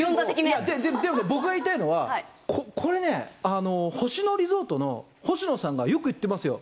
僕が言いたいのは、これね、星野リゾートの星野さんがよく言ってますよ。